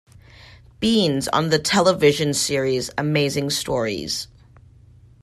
Beanes on the television series "Amazing Stories".